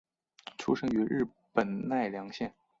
出身于日本奈良县。